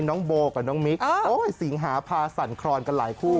น้องโบกับน้องมิ๊กสิงหาพาสั่นครอนกันหลายคู่